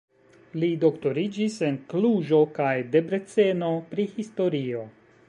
Li doktoriĝis en Kluĵo kaj Debreceno pri historio.